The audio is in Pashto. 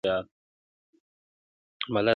کرۍ ورځ به وه په نجونو کي خندانه؛